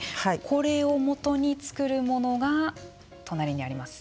これを基に作るものが隣にあります。